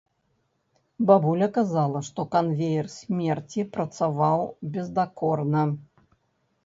Бабуля казала, што канвеер смерці працаваў бездакорна.